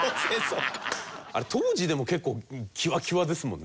あれ当時でも結構際々ですもんね。